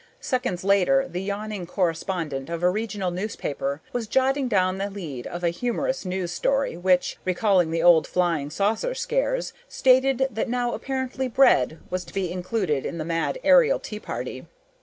Seconds later, the yawning correspondent of a regional newspaper was jotting down the lead of a humorous news story which, recalling the old flying saucer scares, stated that now apparently bread was to be included in the mad aerial tea party.